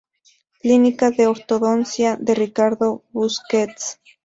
Clínica de Ortodoncia de Ricardo Busquets